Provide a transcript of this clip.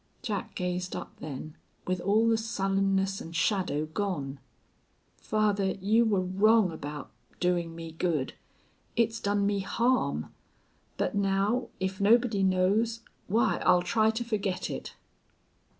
Jack gazed up, then, with all the sullenness and shadow gone. "Father, you were wrong about doing me good. It's done me harm. But now, if nobody knows why, I'll try to forget it."